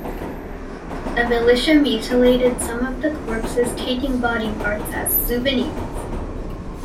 The militia mutilated some of the corpses, taking body parts as souvenirs.